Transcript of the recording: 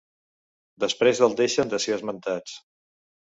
Després del deixen de ser esmentats.